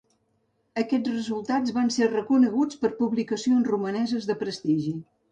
Aquests resultats van ser reconeguts per publicacions romaneses de prestigi.